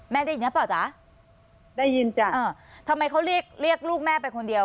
ได้ยินหรือเปล่าจ๊ะได้ยินจ้ะอ่าทำไมเขาเรียกเรียกลูกแม่ไปคนเดียว